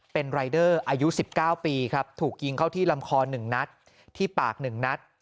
เป็นรายเดอร์อายุ๑๙ปีครับถูกยิงเข้าที่ลำคอ๑นัดที่ปาก๑นัด